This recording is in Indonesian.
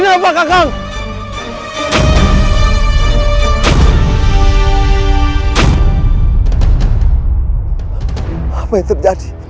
apa yang terjadi